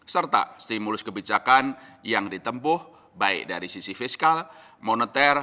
serta stimulus kebijakan yang ditempuh baik dari sisi fiskal moneter